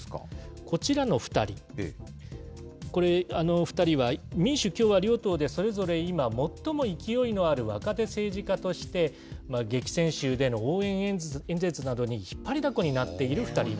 こちらの２人、これ、２人は民主、共和両党で、それぞれ今、最も勢いのある若手政治家として激戦州での応援演説などに引っ張４０代？